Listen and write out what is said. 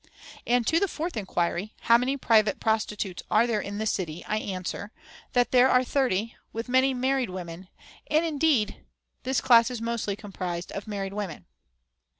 "And to the fourth inquiry, 'How many private prostitutes are there in the city?' I answer, That there are thirty, with many married women; and, indeed, this class is mostly composed of married women.